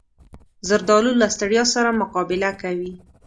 زردالو له ستړیا سره مقابله کوي.